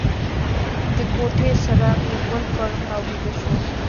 د کوټې څراغ یې ګل کړ او ویده شو